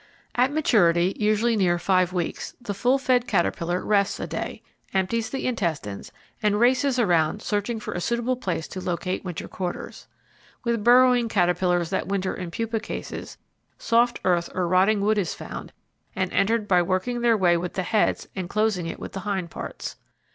At maturity, usually near five weeks, the full fed caterpillar rests a day, empties the intestines, and races around searching for a suitable place to locate winter quarters. With burrowing caterpillars that winter in pupa cases, soft earth or rotting wood is found and entered by working their way with the heads and closing it with the hind parts.